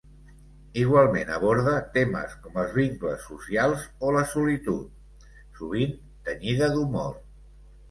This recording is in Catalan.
Igualment aborda temes com els vincles socials o la solitud, sovint tenyida d'humor.